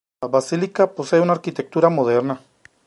La basílica posee una arquitectura moderna.